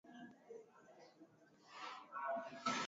ni mchambuzi wa masuala ya siasa nchini kenya amboga andere